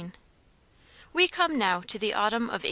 WE come now to the autumn of 1866.